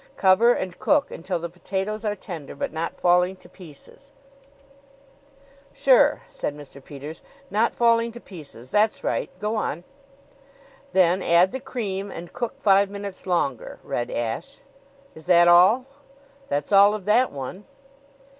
Cover and cook until the potatoes are tender, but not falling to pieces.'" "Sure," said Mr. Peters "not falling to pieces. That's right. Go on." "'Then add the cream and cook five minutes longer'" read Ashe. "Is that all?" "That's all of that one."